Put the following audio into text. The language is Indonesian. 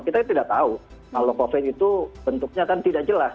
kita tidak tahu kalau covid itu bentuknya kan tidak jelas